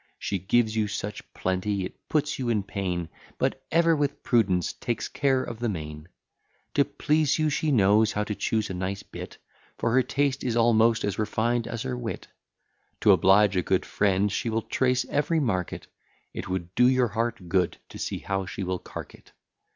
She gives you such plenty, it puts you in pain; But ever with prudence takes care of the main. To please you, she knows how to choose a nice bit; For her taste is almost as refined as her wit. To oblige a good friend, she will trace every market, It would do your heart good, to see how she will cark it.